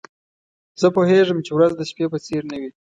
زه پوهیږم چي ورځ د شپې په څېر نه وي.